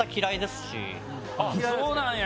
そうなんや。